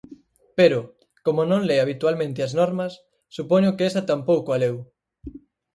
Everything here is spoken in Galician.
Pero, como non le habitualmente as normas supoño que esa tampouco a leu.